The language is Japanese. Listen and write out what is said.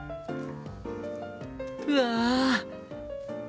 うわ！